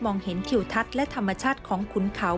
เห็นทิวทัศน์และธรรมชาติของขุนเขา